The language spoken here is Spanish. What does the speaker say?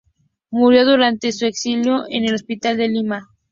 Murió durante su exilio en un hospital de Lima.